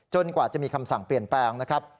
กว่าจะมีคำสั่งเปลี่ยนแปลงนะครับ